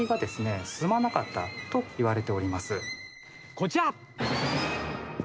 こちら。